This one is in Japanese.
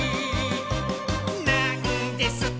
「なんですと」